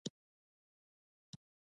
هغې ویل چې ته به هلته قدر ولرې